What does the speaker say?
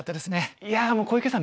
いやもう小池さん